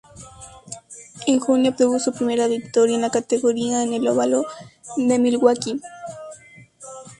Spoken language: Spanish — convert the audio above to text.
En junio obtuvo su primera victoria en la categoría en el óvalo de Milwaukee.